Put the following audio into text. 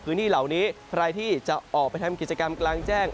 พื้นที่เหล่านี้ใครที่จะออกไปทำกิจกรรมกลางแจ้ง